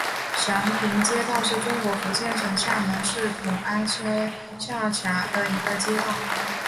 祥平街道是中国福建省厦门市同安区下辖的一个街道。